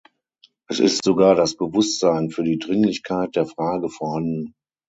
Es ist sogar das Bewusstsein für die Dringlichkeit der Frage vorhanden.